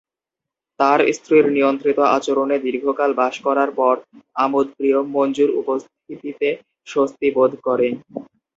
তিনি স্ত্রীর নিয়ন্ত্রিত আচরণে দীর্ঘকাল বাস করার পর আমোদপ্রিয় মঞ্জুর উপস্থিতিতে স্বস্তি বোধ করে।